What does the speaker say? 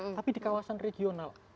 tapi di kawasan regional